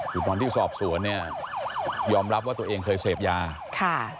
คือตอนที่สอบสวนเนี่ยยอมรับว่าตัวเองเคยเสพยาค่ะ